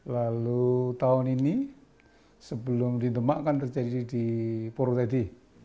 lalu tahun ini sebelum di demak kan terjadi di purwo tadi